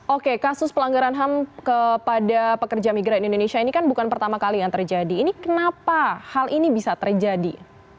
oke kasus pelanggaran ham kepada pekerja migran indonesia ini kan bukan pertama kali yang terjadi ini kenapa hal ini bisa terjadi